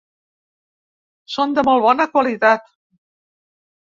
Són de molt bona qualitat.